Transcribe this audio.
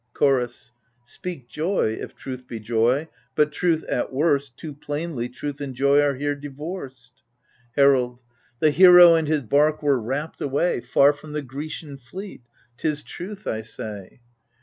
Chorus Speak joy, if truth be joy, but truth, at worst — Too plainly, truth and joy are here divorced. Herald The hero and his bark were rapt away Far from the Grecian fleet ? 'tis truth I say.